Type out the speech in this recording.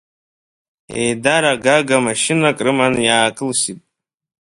Еидара гага машьынак рыманы иаакылсит.